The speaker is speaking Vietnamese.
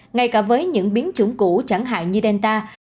ngay cả với những biến chủng cũ chẳng hạn như delta